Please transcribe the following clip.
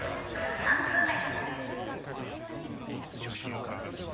熊悟空め！